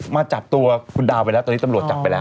มาจับตัวคุณดาวไปแล้วตอนนี้ตำรวจจับไปแล้ว